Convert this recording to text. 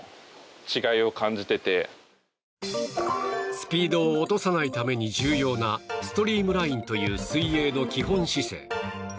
スピードを落とさないために重要なストリームラインという水泳の基本姿勢。